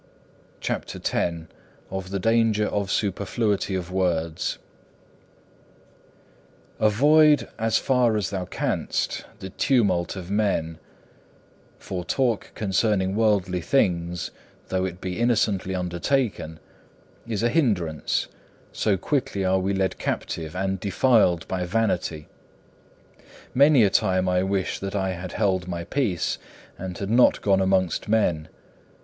CHAPTER X Of the danger of superfluity of words Avoid as far as thou canst the tumult of men; for talk concerning worldly things, though it be innocently undertaken, is a hindrance, so quickly are we led captive and defiled by vanity. Many a time I wish that I had held my peace, and had not gone amongst men.